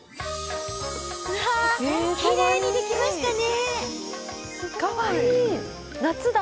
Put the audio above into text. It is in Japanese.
うわあ、きれいにできましたね。